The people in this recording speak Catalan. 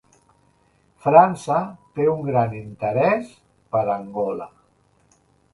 França té un gran interès per Angola.